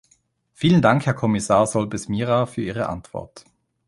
Vielen Dank, Herr Kommissar Solbes Mira, für Ihre Antwort.